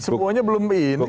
pokoknya belum ini kok